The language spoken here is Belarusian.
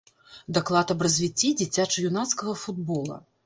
Даклад аб развіцці дзіцяча-юнацкага футбола.